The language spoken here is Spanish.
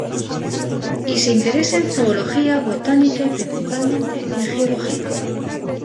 Y se interesa en Zoología, Botánica y principalmente en Geología.